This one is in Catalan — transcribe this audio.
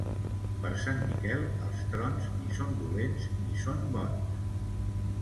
Per Sant Miquel, els trons ni són dolents ni són bons.